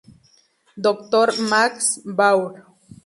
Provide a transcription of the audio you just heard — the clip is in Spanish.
Dr. Max P. Baur.